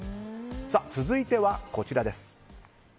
続いてはこちらです。